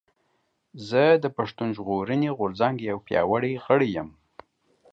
زه د پشتون ژغورنې غورځنګ يو پياوړي غړی یم